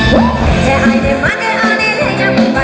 บอกว่าสวัสดีค่ะ